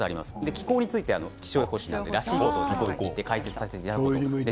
気候は気象予報士なので、らしいことを解説させていただきます。